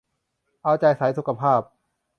เอาใจสายสุขภาพ